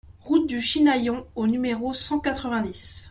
Route du Chinaillon au numéro cent quatre-vingt-dix